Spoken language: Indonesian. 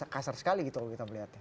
kasar sekali gitu loh kita melihatnya